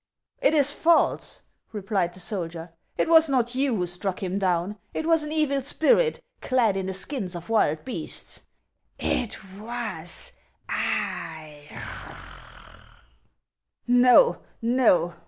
" It is false," replied the soldier. " It was not you who struck him down ; it was an evil spirit, clad in the skins of wild beasts." " It was I '"" No, no